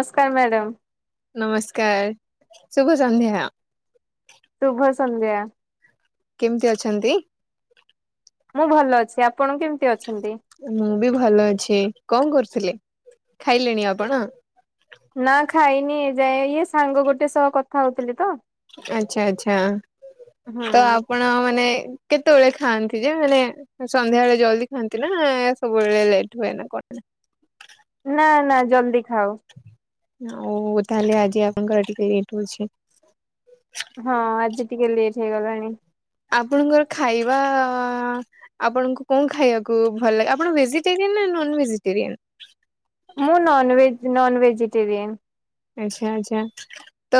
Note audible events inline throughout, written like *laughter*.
ନମସ୍କାର ମ୍ୟାଡ଼ାମ୍। ନମସ୍କାର ଶୁଭସନ୍ଧ୍ୟା। ଶୁଭ ସନ୍ଧ୍ୟା। କେମିତି ଅଛନ୍ତି? ମୁଁ ଭଲ ଅଛି ଆପଣ କେମିତି ଅଛି ମୁଁ ବି ଭଲ ଅଛି କଣ କରୁଥିଲେ ଖାଇଲେଣି ଆପଣ? ନା ଖାଇନି ଏ ଯାଏ ଇଏ ସାଙ୍ଗ ଗୋଟେ ସହ କଥା ହଉଥିଲି ତ। ଆଚ୍ଛା ଆଚ୍ଛା ହୁଁ ତ ଆପଣ ମାନେ କେତେବେଳେ ଖାଆନ୍ତି ଯେ ମାନେ ସନ୍ଧ୍ୟାବେଳେ ଜଲ୍ଦି ଖାଆନ୍ତି ନା, ସବୁବେଳେ ଲେଟ ହୁଏ ନା କଣ ନା? *unintelligible* ନା ନା ଜଲ୍ଦି ଖାାଉ। ଓ ଓ ତାହେଲେ ଆଜି ଆପଣଙ୍କର ଟିିକେ ଲେଟ୍ ହଉଚି। ହଁ ଆଜି ଟିକେ ଲେଟ୍ ହେଇଗଲାଣି। ଆପଣଙ୍କର ଖାଇବା ଆପଣଙ୍କୁ କଣ ଖାଇବାକୁ ଭଲ ଲାଗେ? ଆପଣ ଭେଜିଟେରିଆନ ନା ନନ୍ ଭେଜିଟେରିଆନ୍। ମୁଁ ନନ୍ ଭେଜ ନନ୍ ଭେଜିଟେରିଆନ୍। ଆଚ୍ଛା ଆଛା ତ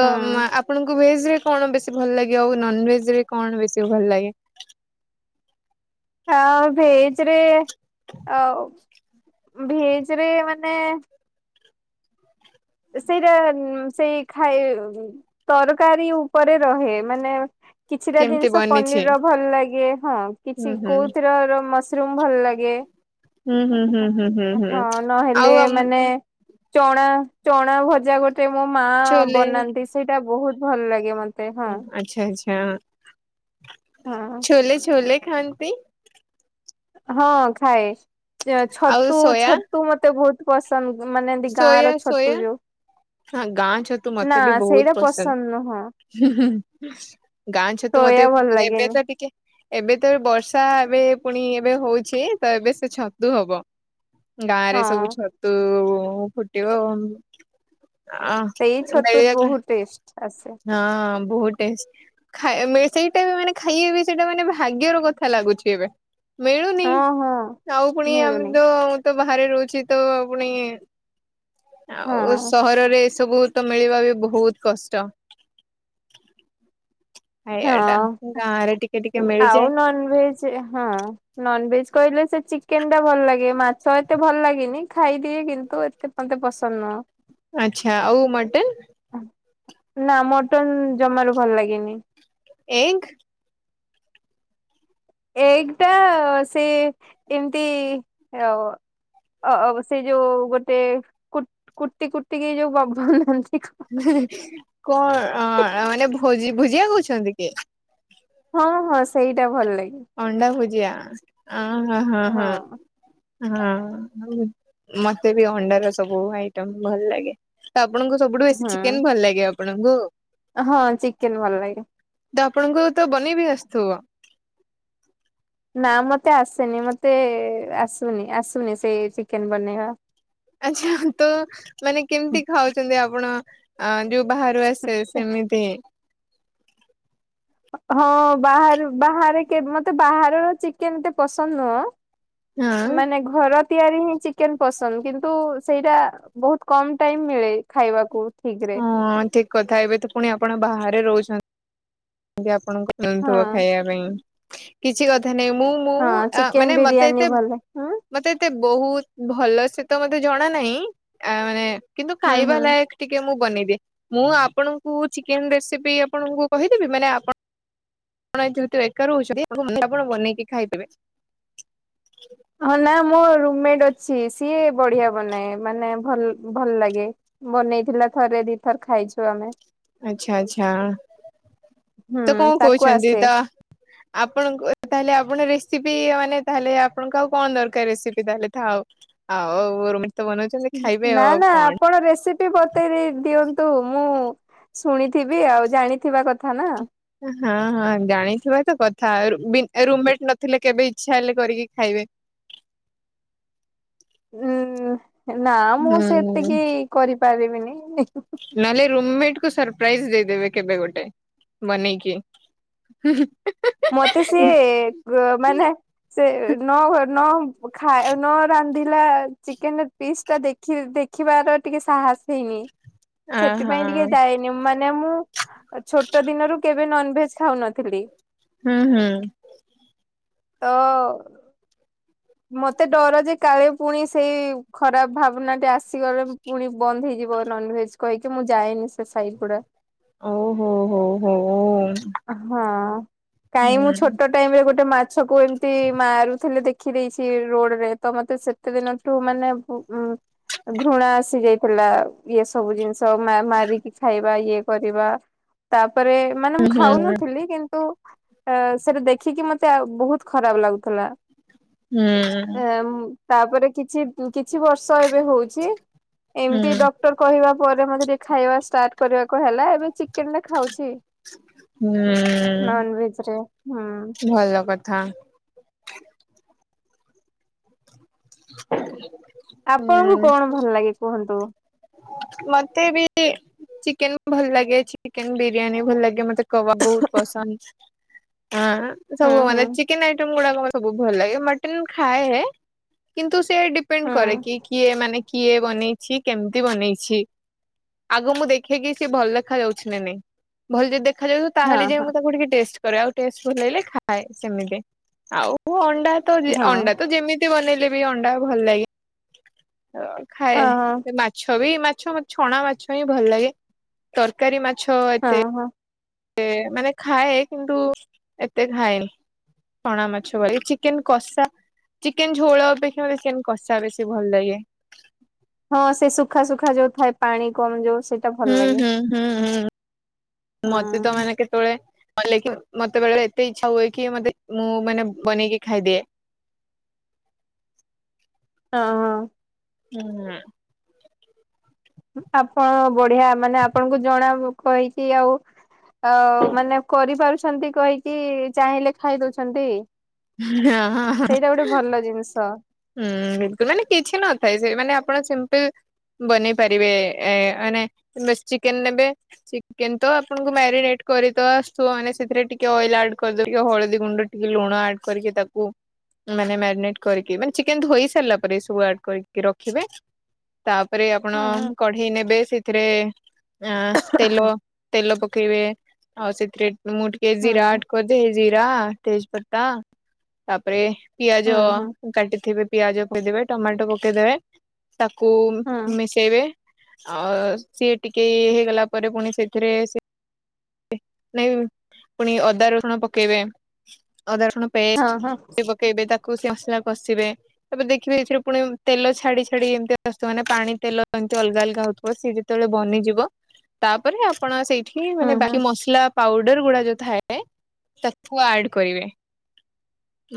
ଆପଣଙ୍କୁ ଭେଜ ରେ କଣ ବେଶୀ ଭଲ ଲାଗେ, ଆଉ ନନ୍ ଭେଜ୍ ରେ କଣ ବେଶୀ ଭଲ ଲାଗେ? ଆଉ ଭେଜ୍ ରେ ଆଉ ଭେଜ୍ ରେ ମାନେ ସେଇଟା ସେଇ ଖାଇ ତରକାରୀ ଉପରେ ରହେ ମାନେ କିଛିଟା କେମିତି ଜିନିଷ ବନିଛି? ପନିର୍ ର ଭଲ ଲାଗେ ହଁ ହୁଁ କିଛି ହୁଁ କୋଉଥର ମସ୍ ରୁମ୍ ଭଲ ଲାଗେ। ହୁଁ ହୁଁ ହୁଁ ହୁଁ ହୁଁ ହୁଁ ହଁ ଆଉ ନହେଲେ ଆମ ମାନେ ଚଣା। ଚଣା ଭଜା ଗୋଟେ ମୋ ମା ଛୋଲେ ବନାନ୍ତି, ସେଇଟା ବହୁତ ଭଲ ଲାଗେ ମତ ଓ ଆଚ୍ଛା ଆଚ୍ଛା, ହଁ ଛୋଲେ ଛୋଲେ। ଖାଆନ୍ତି। ହଁ ଖାଏ ଆଉ ଛତୁ ସୋୟା ଛତୁ ମତେ ବହୁତ ପସନ୍ଦ। ମାନେ ବି ଗାଁଆ ସୋୟା ର ସୋୟା ଛତୁ ଯଉ ହଁ ଗାଁ ଛତୁ ମତେ ବି ବହୁତ ପସନ୍ଦ। ହୁଁ ହୁଁ ଗାଁ ଛତୁ ସୋୟା ମତେ ଭଲ ମାନେ ଏବେ ଲାଗେନି। ତ ଟିକେ ଏବେ ତ ଏ ବର୍ଷା ଏବେ ପୁଣି ଏବେ ହଉଛି, ତ ଏବେ ସେ ଛତୁ ହବ। ଗାଁ ରେ ସବୁ ହଁ ଛତୁ ଫୁଟିବ ଅ ଅ ସେଇ ଛତୁ ମିଳି *inaudible* ବହୁତ ଟେଷ୍ଟ ଆସେ ଆ ହଁ। ବହୁତ ଟେଷ୍ଟ ସେଇଟା ବି ମାନେ ଖାଇବାବି ସେଇଟା ମାନେ ଭାଗ୍ୟର କଥା ଲାଗୁଛି ଏବେ। ମିଳୁନି ହଁ ହଁ। ଆଉ ପୁଣି ଆମେ ମିଳୁନି ତ ତ ବାହାରେ ରହୁଛେ ତ ପୁଣି ହଁ ଆଉ ସହରରେ ଏସବୁ ତ ମିଳିବା ବି ବହୁତ କଷ୍ଟ। ଖାଇବା ଟା ହଁ ଗାଁ ରେ ଟିକେ ଟିକେ ଆଉ ମିଳିଯାଏ ନନ୍ ଭେଜ ହଁ ନନ୍ ଭେଜ। କହିଲେ ସେ ଚିକେନ୍ ଟା ଭଲ ଲାଗେ, ମାଛ ଏତେ ଭଲ ଲାଗେନି ଖାଇଦିଏ, କିନ୍ତୁ ଏତେ ମତେ ପସନ୍ଦ ନୁହଁ। ଆଚ୍ଛା ଆଉ ମଟନ୍? ନାଁ ମଟନ୍ ଜମାରୁ ଭଲ ଲାଗେନି। ଏଇଗ୍। ଏଇଗ୍ ଟା ସେ ଏମିତି ଆଉ ଅ ଅ ବ ସେ ଯୋଉ ଗୋଟେ କୁଟ୍ କୁଟି୍ କୁଟି୍ କି ଯୋଉ ବନାନ୍ତି। କଣ ଣ ମାନେ ଭୋଜି ଭୋଜିଆ କହୁଛନ୍ତି କି? ହଁ ହଁ ସେଇଟା ଭଲ ଲାଗେ। ଅଣ୍ଡା ଭୁଜିଆ ଅଁ ହଁ ହଁ ହଁ ହଁ। ହଁ ମତେ ବି ଅଣ୍ଡାର ସବୁ ଆଇଟ ଭଲ ଲାଗେ। ଆପଣଙ୍କୁ ସବୁଠୁ ବେଶୀ ହୁଁ ଚିକେନ ଭଲ ଲାଗେ ଆପଣଙ୍କୁ? ହଁ ଚିକେନ ଭଲ ଲାଗେ। ତ ଆପଣଙ୍କୁ ତ ବନେଇ ବିି ଆସିଥିବ? ନା ମତେ ଆସେନି ମତେ ଆସୁନି ଆସୁନି ସେ ଚିକେନ ବନେଇବା। ଆଛା ତ ମାନେ କେମିତି ଖାଉଛନ୍ତି ଆପଣ ଯୋଉ ବାହାରୁ ଆସେ ସେମିତି ହଁ ବାହ ବାହାରେ ମତେ ବାହାରର ଚିକେନ ଏତେ ପସନ୍ଦ ନୁହଁ। ହଁ ମାନେ ଘର ତିଆରି ହିଁ ଚିକେନ ପସନ୍ଦ କିନ୍ତୁ ସେଇଟା ବହୁତ କମ ଟାଇମ ମିଳେ ଖାଇବାକୁ। ଠିକ ରେ। ହଁ ଠିକ କଥା ଏବେ ତ ପୁଣି ଆପଣ ବାହାରେ ରହୁ ହଁ ଆପଣଙ୍କଥିବ ଖାଇବା ପାଇଁ କିଛି କଥା ନେ ମୁଁ ମୁଁ ହଁ ଆ ଚିକେନ ମାନେ ମତେ ବିରିୟାନୀ ଏତେ ଭଲ ହୁଁ ମତେ ଏତେ ବହୁତ ଭଲ ସେ ତ ମତେ ଜଣା ନାହିଁ ଆ ମାନେ କିନ୍ତୁ ହୁଁ ହୁଁ। ଖାଇବା ଲାୟକ ଟିକେ ମୁଁ ବନେଇ ମୁଁ ଆପଣଙ୍କୁ ଚିକେନ ରେସିପି ଆପଣଙ୍କୁ କହିଦେବି ମାନେ ଆପଣ ଆପଣ ଯେହେତୁ ଏକା ରହୁଛନ୍ତି ତା ଆପଣ *unintelligible* ବନେଇକି ଖାଇଦେବେ। ହଁ ନା ମୋ ରୁମମେଟ୍ ଅଛି ସିଏ ବଢିଆ ବନାଏ ମାନେ ଭଲ ଭଲ ଲାଗେ। ବନେଇଥିଲା ଥରେ ଦିଥର ଖାଇଚୁ ଆମେ। ଆଛା ଆଚ୍ଛା। ହୁଁ ତ କଣ ତାକୁ କହୁଛନ୍ତି ଆସେ। ତ ଆପଣଙ୍କୁ ତାହେଲେ ଆପଣ ରେ ରେସିପି ମାନେ ତାହେଲେ ଆପଣଙ୍କୁ ଆଉ କଣ ଦରକାର ରେସିପି ତାହେଲେ ଥାଉ ଆଉ ରୁ ନା ନା ଆପଣ ରେସିପି ବତେଇ ରି ଦିଅନ୍ତୁ। ତୁ ମୁଁ ଶୁଣିଥିବି ଆଉ ଜାଣିଥିବା କଥା ନା। ହଁ ହଁ ଜାଣିଥିବା ତ କଥା ରୁବ୍ ବି ରୁମମେଟ ନଥିଲେ କେବେ ଇଚ୍ଛା ହେଲେ କରିକି ଖାଇବେ। ଉଁ ନା ମୁଁ ହୁଁ ସେତିକି କରିପାରିବିନି। ନହେଲେ ରୁମମେଟ୍ କୁ ସରପ୍ରାଇଜ୍ ଦେଇଦେବେ କେବେ ଗୋଟେ ବନେଇକି। ମତେ ସିଏ ଗ ମାନେ ସେ ନ ନ ଖା ନ ରାନ୍ଧ ନ୍ଧିଲା ଚିକେନ ପିସ୍ ଟା ଦେଖି ଦେଖିବାର ଟିକେ ସାହସ ହେଇନି। ଆ ସେଥିପାଇଁ ହଁ ଟିକେ ଯାଇନି ମା ମାନେ ମୁଁ ଛୋଟ ଦିନରୁ କେବେ ନନଭେଜ ଖାଉନଥିଲି ହୁଁ ହୁଁ। ତ ମତେ ଡର ଯେ କାଳେ ପୁଣି ସେଇ ଖରାପ ଭାବନାଟେ ଆସ ଆସିଗଲେ ପୁଣି ବନ୍ଦ ହେଇଯିବ ନନଭେଜ୍ କହିକି ମୁଁ ଯାଏନି ସାଇଟ୍ ଗୁଡା ଓହୋ ହୋ ହୋ ହୁଁ ହଁ। କାଇଁ ମୁଁ ଛୋଟ ଟାଇମ୍ ରେ ଗୋଟେ ମାଛକୁ ଏମିତି ମାରୁଥିଲେ ଦେଖ ଦେଖି ଦେଇଚି ରୋଡରେ ତ ମତେ ସେତେ ଦିନଠୁ ମାନେ ବ୍ ଉଁ ଘୃଣା ଆସି ଯାଇଥିଲା ଇଏ ସବୁ ଜିନିଷ ମା ମାରିକି ଖାଇବା ଇଏ କରିବା ତାପରେ ମାନେ ହୁଁ ମୁଁ ହୁଁ ଖାଉନଥିଲି କିନ୍ତୁ ଆ ସେଟା ଦେଖିକି ମତେ ଆ ବହୁତ ଖରାପ ଲାଗୁଥିଲା। ଆ ହୁଁ ମ୍ ତାପରେ କିଛି କିଛି ବର୍ଷ ଏବେ ହୋଉଚି। ଏମତି ଡକ୍ଟର କହିବା ପରେ ମତେ ଟିକେ ଖାଇବା ଷ୍ଟାର୍ଟ କରିବା *unintelligible* ଏବେ ଚିକେନ ଟା ଖାଉଚି। ହୁଁ ନନଭେଜରେ ହୁଁ। ଭଲ କଥା *inaudible* ଆପଣଙ୍କୁ ହୁଁ କଣ ଭଲ ଲାଗେ କୁହନ୍ତୁ? ମତେ ବି ଚିକେନ ଭଲ ଲାଗେ। ଚିକେନ ବିରିୟାନୀ ଭଲ ଲାଗେ ମତେ। *unintelligible* କବାବୁ ବୋହୁତ ପସନ୍ଦ। ହଁ ହୁଁ ସବୁ ହୁଁ ମାନେ ଚିକେନ ଆଇଟମ୍ ଗୁଡାକ ମତେ ସବୁ ଭଲ ଲାଗେ। ମଟନ ଖାଏ କି ନ୍ତୁ ସେ ଡିପେଣ୍ଡ ହୁଁ କରେ କି କିଏ ମାନେ କିଏ ବନେଇଚି କେ ମିତି ବନେଇଚି। ଆଗ ମୁଁ ଦେଖେ କି ସେ ଭଲ ଦେଖା ଯାଉଚି ନା ନାଇଁ। ଭଲ ଯଦି ଦେ ଖାଯାଉ ହଁ ତାହେଲେ ଯାଇ ହଁ ମୁଁ ତାକୁ ଟିକେ ଟେଷ୍ଟ କରେ ଆଉ ଟଷ୍ଟ ଭଲ ଲାଗିଲେ ଖାଏ। ସେମିତି ଆଉ ଅ ଣ୍ଡା ତ ହଁ ହଁ ଅଣ୍ଡା ତ ଯେମିତି ବନେଇଲେ ବି ଅଣ୍ଡା ଭଲ ଲାଗେ। ଅ ଖାଏ ହଁ ମାଛ ବି ମାଛ ମ ଛଣା ମାଛ ହିଁ ଭଲ ଲାଗେ। ତରକାରୀ ମା ଛ ଏତେ ହଁ ହଁ ତେ ମାନେ ଖାଏ କିନ୍ତୁ ଏତେ ଖାଏନି। ଛଣା ମାଛ ଭଳି *unintelligible* ଚିକେନ କଷା ଚିକେନ ଝୋଳ ଅପେକ୍ଷା ମତେ ଚିକେନ କଷା ବେଶୀ ଭଲ ଲାଗେ। ହଁ ସେ ସୁଖା ସୁୁଖା ଯୋଉ ଥାଏ ପାଣି କମ ଯୋଉ ସେଇଟା ଭଲ ହୁଁ ଲାଗେ ହୁଁ ହୁଁ ହୁଁ ମତେ ତ ହଁ। ମାନେ କେତେବେଳେ କଲେ କି ମତେ ବେଳେ ବେଳେ ଏତେ ଇଚ୍ଛା ହୁଏ କି ମତେ ମୁଁ ମାନେ ବନେଇକି ଖାଇଦିଏ। *inaudible* ହଁ ହଁ। ହୁଁ। ଆପଣ ବଢିଆ ମାନେ ଆପଣଙ୍କୁ ଜଣା କହିକି ଆଉ ଆ ମାନେ କରିପାରୁଛନ୍ତି କହିକି ଚାହିଁଲେ ଖାଇ ଦଉଛନ୍ତି। ସେଇଟା ଗୋଟେ ଭଲ ଜିନିଷ। ହୁଁ ବିଲକୁଲ ମାନେ କିଛି ନଥାଏ ସେ ମାନେ ଆପଣ ସିମ୍ପଲ ବନେଇପାରିବେ ମାନେ ଚିକେନ ନେବେ ଚିକେନ ତ ଆପଣଙ୍କୁ ମାରିନେଟ କରି ତ ଆସୁଥିବ ମାନେ ସେଥିରେ ଟିକେ ଅଏଲ ଆଡ କରିଦେ ହଳଦୀ ଗୁଣ୍ଡ ଟିକେ ଲୁଣ ଆଡ କରିକି ତାକୁ ମାନେ ମାରିନେଟ କରିକି ମାନେ ଚିକେନ ଧୋଇ ସାରିଲା ପରେ ଏ ସବୁ ଆଡ କରିକି ରଖିବେ ତା ତାପରେ ଆପଣ ହୁଁ ହୁଁ କଢେଇ ନେବେ ସେ ସେଥିରେ ଆଁ ତେଲ ତେଲ ପକେଇବେ ଆଉ ସେଥିରେ ମୁ ଟିକେ ହୁଁ ଜୀରା ଆଡ୍ କରିଦିଏ ଜୀରା ତେଜପତା ତାପରେ ପିଆଜ ହୁଁ ହୁଁ କାଟିଥିବେ ପିଆଜ ପକେଇଦେବେ ଟମାଟୋ ପକେଇଦେବେ। ତାକୁ ହୁଁ। ମିଶେଇବେ। ଆ ସିଏ ଟିକେ ହେଇଗଲା ପରେ ପୁଣି ସେଥିରେ ସେ ନାଇଁ ପୁଣି ଅଦା ରସୁଣ ପକେଇବେ। ଅଦାରସୁଣ ପେଷ୍ଟ ହଁ ହଁ ସେ ପକେଇବେ ତାକୁ ସେ ମସଲା କଷିବେ ତାପରେ ଦେଖିବେ ଏଥିରେ ପୁଣି ତେଲ ଛାଡି ଛାଡି ଏମିତି ମାନେ ପାଣି ତେଲ ଅଲଗା ଅଲଗା ହଉଥିବ ସିଏ ଯେତେବେଳେ ବନିଯିବ ତାପରେ ଆପଣ ସେଇଠି ହୁଁ ମାନେ ବା ହୁଁ ମସଲା ପାଉଡର ଗୁଡା ଯୋଉ ଥାଏ ତାକୁ ଆଡ କରିବେ।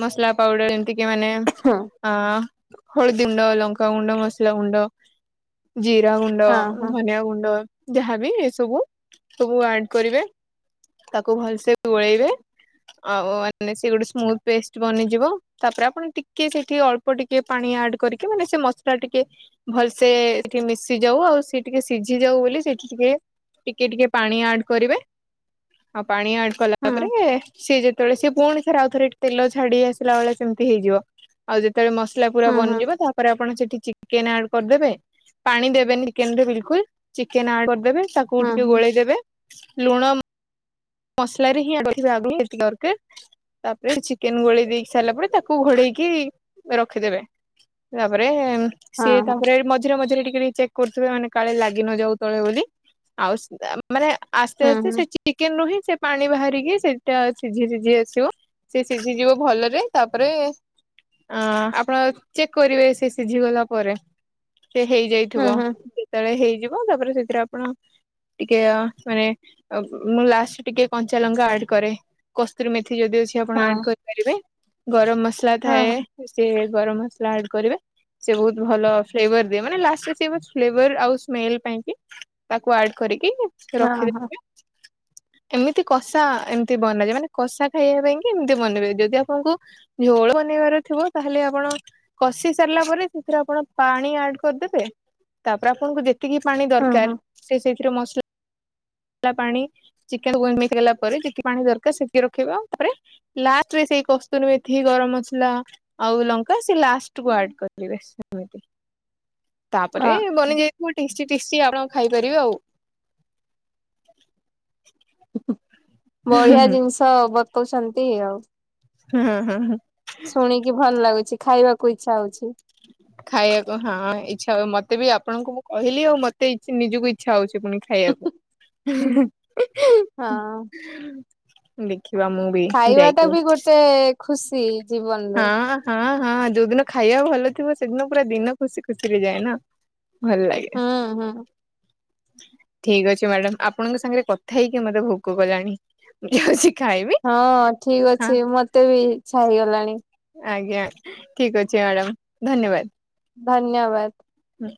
ମସଲା ପାଉଡର ଏମିତି ମାନେ ହଁ ଆ ହଳଦୀ ଗୁଣ୍ଡ ଲଙ୍କା ଗୁଣ୍ଡ ମସଲା ଗୁଣ୍ଡ। ଜିରା ଗୁଣ୍ଡ ହଁ ଧନିଆ ଗୁଣ୍ଡ ଯାହାବି ଏସବୁ ସବୁ ଆଡ କରିବେ। ତାକୁ ଭଲସେ ଗୋଳେଇବେ। ଆଉ ମାନେ ସେ ଗୋଟେ ସ୍ମୁଥ ପେଷ୍ଟ ବନିଯିବ ତାପରେ ଆପଣ ଟିକେ ସେଠି ଅଳ୍ପ ଟିକେ ପାଣି ଆଡ କରିକି ମାନେ ସେ ମସଲା ଟିକେ ଭଲସେ ଟିକେ ମିଶି ଯାଉ ଆଉ ସେ ଟିକେ ସିଝି ଯାଉ ବୋଲି ସେ ଟିକେ ଟିକେ ଟିକେ ପାଣି ଆଡ କରିବେ ଆଉ ପାଣି ଆଡ କଲା ହଁ ପରେ ସିଏ ଯେତେବେଳେ ସିଏ ପୁଣି ଥରେ ଆଉ ଥରେ ତେଲ ଛାଡି ଆସିଲା ବେଳେ ସେମିତି ହେଇଯିବ ଆଉ ଯେ ସେତେବେଳେ ମସଲା ପୁରା ହୁଁ ହୁଁ ହୁଁ ବନଯିବ ତାପରେ ଆପଣ ସେଠି ଚି ଚିକେନ ଆଡ କରିଦେବେ ପାଣି ଦେବେନି ଚିକେନ ରେ ବିଲକୁଲ୍ ଚିକେନ ଆଡ କରିଦବେ। ତାକୁ ହୁଁ ଟିକେ ହୁଁ ଗୋଳେଇଦବେ ଲୁଣ ମସଲା ରେ ହିଁ ଆଗ *unintelligible* ଟିକେ ଦରକାର। ତାପରେ ଚିକେନ ଗୋଲେଇ ଦେଇକି ସାରିଲା ପରେ ତାକୁ ଘୋଡେଇକି ରଖିଦେବେ। ତାପରେ ହଁ ସିଏ ହଁ ତାପରେ ମଝିରେ ମଝିରେ ଟିକେ ଟିକେ ଚେକ୍ କରୁ ଥିବେ ମାନେ କାଳେ ଲାଗି ନଯାଉ ତଳେ ବୋଲି ଆଉ ମାନେ ଆସ୍ତେ ହୁଁ ଆସ୍ତେ ସେ ହୁଁ ଚିକେନରୁ ହିଁ ସେ ପାଣି ବାହାରିକି ସେଇଟା ସିଝି ସିଝି ଆସିବ। ସେ ସିଝିଯିବ ଭଲରେ ତାପରେ ଆଁ ଆପଣ ଚେକ୍ କରିବେ ସେ ସିଝି ଗଲା ପରେ ସେ ହେଇଯାଇଥିବ ହୁଁ ହୁଁ ସେତେବେଳେ ହେଇଯିବ ତାପରେ ସେ ରେ ଆପଣ ଟିକେ ମାନେ ମୁଁ ଲାଷ୍ଟ ଟିକେ କଞ୍ଚା ଲଙ୍କା ଆଡ୍ କରେ କସ୍ତୁରୀ ମେଥି ଯଦି ଅଛି ଆପଣ ହଁ। ଆଡ଼ କରିପାରିବେ ଗରମ ମସଲା ମସଲା ହଁ ହଁ ଥାଏ ସେ ଗରମ ମସଲା ଆଡ କରିବେ। ସେ ବହୁତ ଭଲ ଫ୍ଲେବର ଦିଏ ମାନେ ଲାଷ୍ଟ ରେ ସେ ବାସ ଫ୍ଲେବର ଆଉ ସ୍ମେଲ ପାଇଁ କି ତାକୁ ଆଡ କରି କି ହଁ ହଁ ରଖିଦେବେ। ଏମିତି କଷା ଏମିତି ବନାଯାଏ ମାନେ କଷା ଖାଇବା ପାଇଁ କି ଏମିତି ବନେଇବେ ଯଦି ଆପଣଙ୍କୁ ଝୋଳ ବନେଇବାର ଥିବ ତାହେଲେ ଆପଣ କଷି ସାରିଲା ପରେ ସେଥିରେ ଆପଣ ପାଣି ଆଡ କରିଦେବେ ତାପରେ ଆପଣଙ୍କୁ ଯେତିକି ପାଣି ହଁ ଦରକାର ହଁ ସେ ସେଥିରେ ମସଲା ପାଣି ଚିକେନ ରେ ମସଲା ମିଶି ଗଲା ପରେ ଯେଟିକି ପାଣି ଦରକାର ସେଟିକି ରଖିବା ଆଉ ତାପରେ ଲାଷ୍ଟରେ ସେଇ କସ୍ତୁତି ମେଥି ଗରମ ମସଲା ଆଉ ଲଙ୍କା ସେ ଲାଷ୍ଟ କୁ ଆଡ଼ କରିଦେବେ। ତାପରେ ହଁ ବନିଯାଇଥିବ ଟେଷ୍ଟି କିଛି ଆପଣ ଖାଇପାରିବେ ଆଉ। ହୁଁ ବଢିଆ ହୁଁ ଜିନିଷ ବତଉଛନ୍ତି ଆଉ। ହଁ ହଁ ହଁ ଶୁଣିକି ଭଲ ଲାଗୁଛି ଖାଇବାକୁ ଇଚ୍ଛା ହଉଛି। ଖାଇବାକୁ ହଁ ଇଚ୍ଛା ହ ମତେ ବି ଆପଣଙ୍କୁ ମୁଁ କହିଲି ଆଉ ମତେ ନିଜକୁ ଇଚ୍ଛା ହଉଛି। ପୁଣି ଖାଇବାକୁ। ହଁ। *inaudible* ବି ଖାଇବା ଟା ଯାଇକି ବି ଗୋଟେ ଖୁସି। ଜୀବନରେ ହଁ ହଁ ହଁ ଯୋଉଦିନ ଖାଇବା ଭଲ ଥିବ ସେଦିନ ପୁରା ଦିନ ଖୁସି ଖୁସିରେ ଯାଏ ନା। ଭଲ ଲାଗେ। ହୁଁ ହୁଁ। ଠିକ ଅଛି ମ୍ୟାଡାମ ଆପଣଙ୍କ ସାଙ୍ଗରେ କଥା ହେଇକି ମତେ ଭୋକ କଲାଣି ମୁ ଯାଉଛି ଖାଇବି ହଁ ଠିକ ହଁ ଅଛି ମତେ ବି ଇଛା ହେଇଗଲାଣି। ଆଜ୍ଞା ଠିକ ଅଛି ମ୍ୟାଡ଼ାମ ଧନ୍ୟବାଦ। ଧନ୍ୟବାଦ। ହଁ।